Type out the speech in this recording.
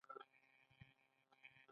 ښځې د ډوډۍ په پخولو کې ماهرې دي.